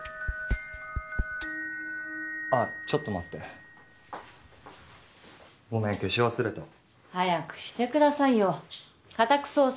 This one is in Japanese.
あっちょっと待ってごめん消し忘れた早くしてくださいよ家宅捜索